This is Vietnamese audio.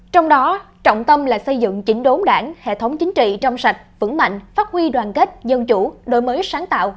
trong đó trọng tâm là xây dựng chỉnh đốn đảng hệ thống chính trị trong sạch vững mạnh phát huy đoàn kết dân chủ đổi mới sáng tạo